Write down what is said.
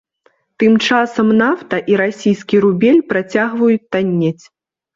Тым часам нафта і расійскі рубель працягваюць таннець.